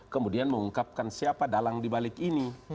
kemudian mengungkapkan siapa dalang dibalik ini